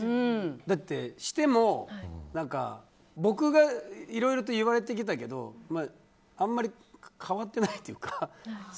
だって、しても僕がいろいろと言われてきたけどあんまり変わってないというか。